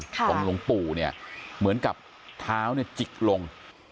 ค่ะของหลวงปู่เนี่ยเหมือนกับเท้าจิกลง